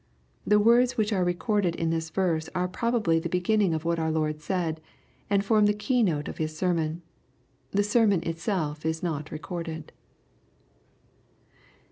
The words which are recorded in this verse are probably the beginning of what our Lord said, and form the key note of His sermon. The sermon itself is not recorded.